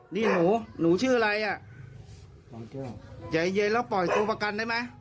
นี่หนูหนูชื่ออะไรอ่ะบางแก้วใจเย็นแล้วปล่อยตัวประกันได้ไหม